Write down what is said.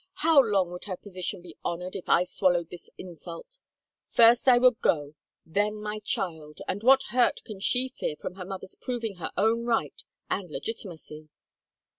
How long would her position be honored if I swallowed this insult ? First I would go, then my child I And what hurt can she fear from her mother's proving her own right and l^iti macy